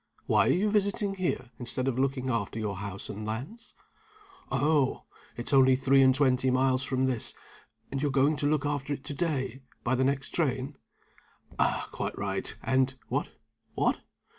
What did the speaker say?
Why are you visiting here, instead of looking after your house and lands? Oh! it's only three and twenty miles from this; and you're going to look after it to day, by the next train? Quite right. And what? what?